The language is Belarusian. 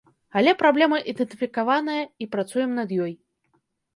Але праблема ідэнтыфікаваная, і працуем над ёй.